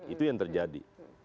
itu yang terjadi